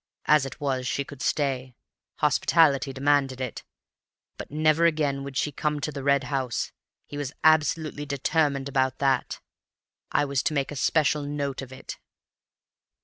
As it was, she could stay; hospitality demanded it; but never again would she come to the Red House—he was absolutely determined about that. I was to make a special note of it.